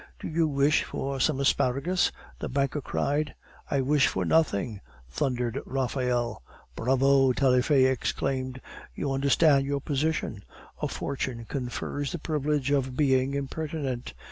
"Do you wish for some asparagus?" the banker cried. "I wish for nothing!" thundered Raphael. "Bravo!" Taillefer exclaimed; "you understand your position; a fortune confers the privilege of being impertinent.